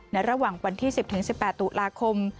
ระหว่างวันที่๑๐๑๘ตุลาคม